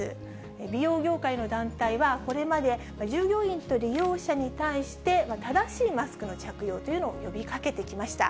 美容業界の団体は、これまで従業員と利用者に対して、正しいマスクの着用というのを呼びかけてきました。